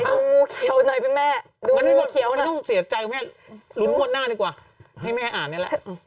อยู่ที่ต้นห้วยอยู่นี้แหละ